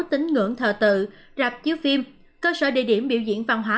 tính ngưỡng thờ tự rạp chiếu phim cơ sở địa điểm biểu diễn văn hóa